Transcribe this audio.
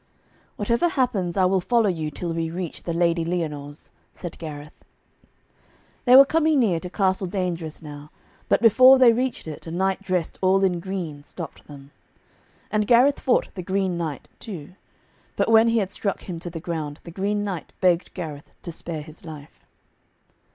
'Whatever happens I will follow you till we reach the Lady Lyonors,' said Gareth. They were coming near to Castle Dangerous now, but before they reached it, a knight dressed all in green stopped them. And Gareth fought the Green Knight too. But when he had struck him to the ground, the Green Knight begged Gareth to spare his life.